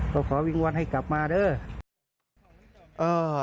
ก็ขอวิงวอนให้กลับมาเด้อ